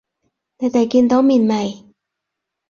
你哋見到面未？